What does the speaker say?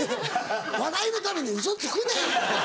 笑いのためにウソつくねん！